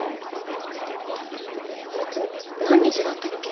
あれって何日だったっけ？